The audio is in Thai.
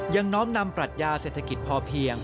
น้อมนำปรัชญาเศรษฐกิจพอเพียง